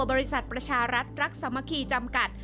บริษัทประชารัฐรักสามัคคีจำกัด